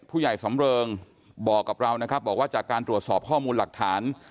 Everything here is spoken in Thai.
สำเริงบอกกับเรานะครับบอกว่าจากการตรวจสอบข้อมูลหลักฐาน